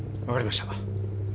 分かりました。